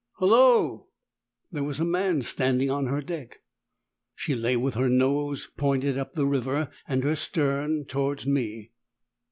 Hullo! There was a man standing on her deck. She lay with her nose pointing up the river and her stern towards me.